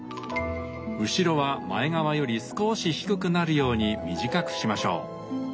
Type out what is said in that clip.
後ろは前側より少し低くなるように短くしましょう。